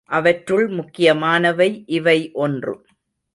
அவற்றுள் முக்கியமானவை இவை ஒன்று.